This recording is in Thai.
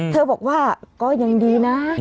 เธอบอกว่าก็ยังดีนะ